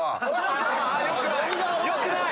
良くない！